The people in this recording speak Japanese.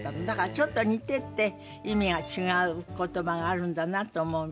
だからちょっと似てて意味が違う言葉があるんだなと。